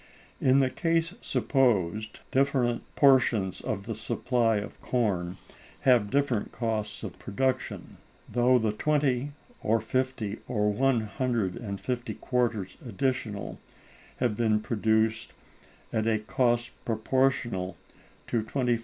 In the case supposed, different portions of the supply of corn have different costs of production. Though the twenty, or fifty, or one hundred and fifty quarters additional have been produced at a cost proportional to 25_s.